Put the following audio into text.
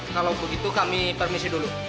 kalau begitu kami permisi dulu